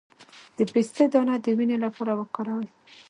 د پسته دانه د وینې لپاره وکاروئ